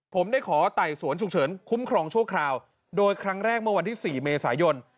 ผมได้ขอไต่สวนฉุกเฉินคุ้มครองชั่วคราวโดยครั้งแรกเมื่อวันที่๔เมษายน